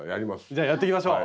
じゃあやっていきましょう！